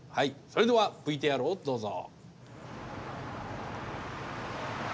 それではＶＴＲをどうぞ。